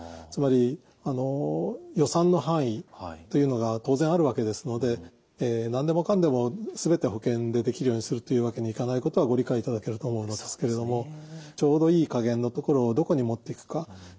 つまり予算の範囲というのが当然あるわけですので何でもかんでも全て保険でできるようにするというわけにいかないことはご理解いただけると思うのですけれどもちょうどいい加減のところをどこにもっていくか。